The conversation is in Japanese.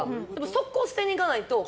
速攻、捨てに行かないと。